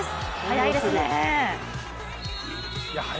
速いですね。